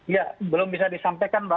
ya belum bisa disampaikan mbak